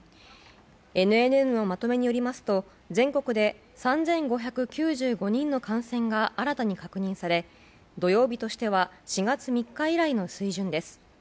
ＮＮＮのまとめによりますと全国で３５９５人の感染が新たに確認され土曜日としては４月３日以来の水準です。